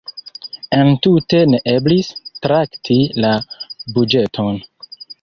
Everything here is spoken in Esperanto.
Entute ne eblis trakti la buĝeton.